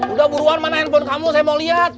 udah buruan mana handphone kamu saya mau lihat